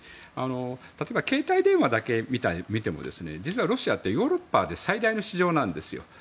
例えば携帯電話だけ見ても実はロシアってヨーロッパで最大の市場なんですよ。